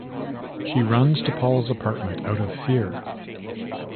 She runs to Paul's apartment out of fear.